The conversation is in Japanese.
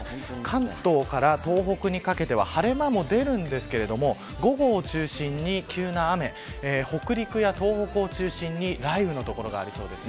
関東から東北にかけては晴れ間も出るのですが午後を中心に急な雨や北陸や東北を中心に雷雨の所がありそうです。